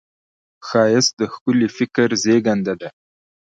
ښایست د ښکلي فکر زېږنده ده